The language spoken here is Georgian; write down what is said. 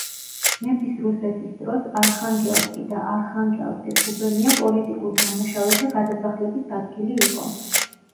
მეფის რუსეთის დროს არხანგელსკი და არხანგელსკის გუბერნია პოლიტიკურ დამნაშავეთა გადასახლების ადგილი იყო.